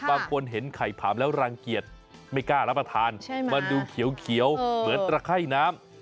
บางคนเห็นไข่ผามแล้วรังเกียจไม่กล้ารับประทานมันดูเขียวเหมือนตระไข้น้ำ